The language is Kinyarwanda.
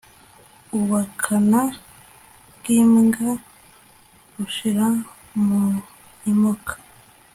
ubukana bw'imbwa bushirira mu imoka